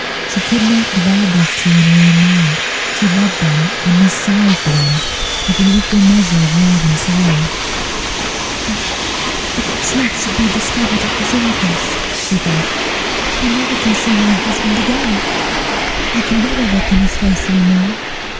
She could not divide these two Page 140 in her own mind. She loved them, and was sorry for them, with an equal measure of love and sorrow. "If if the truth should be discovered at this inquest," she thought, "I never can see my husband again; I can never look in his face any more.